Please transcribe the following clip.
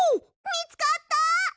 みつかった！？